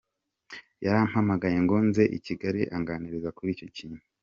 Yarampamagaye ngo nze i Kigali anganiriza kuri icyo kintu.